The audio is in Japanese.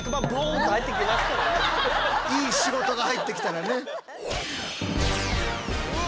いい仕事が入ってきたらね。